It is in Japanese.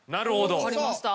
分かりました。